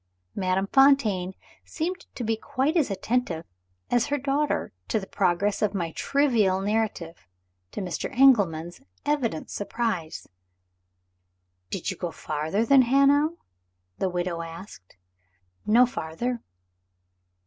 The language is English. Madame Fontaine seemed to be quite as attentive as her daughter to the progress of my trivial narrative to Mr. Engelman's evident surprise. "Did you go farther than Hanau?" the widow asked. "No farther."